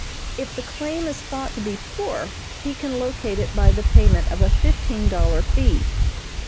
If the claim is thought to be poor, he can locate it by the payment of a fifteen dollar fee.